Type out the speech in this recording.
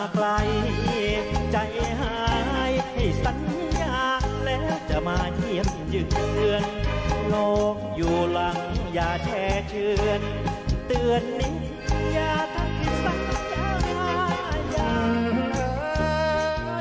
กล้วนสบายยืนแล้วช่วยรับคำ